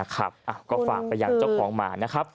ก็ฝากไปยังเจ้าของหมานะครับ